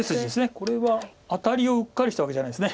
これはアタリをうっかりしたわけじゃないです。